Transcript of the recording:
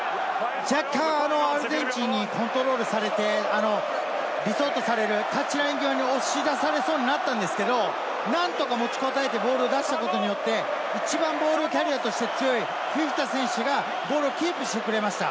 若干、アルゼンチンにコントロールされて、理想とされるタッチライン際に押し出されそうになったんですけれど、何とか持ちこたえてボールを出したことによって、一番ボールキャリアーとしては強いフィフィタ選手がボールをキープしてくれました。